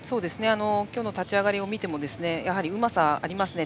今日の勝ち上がりを見てもうまさがありますね。